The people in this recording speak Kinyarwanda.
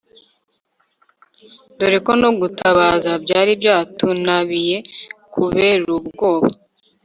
doreko no gutabaza byari byatunabiye kuberubwoba